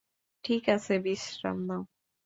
ঠিক আছে, বিশ্রাম নাও?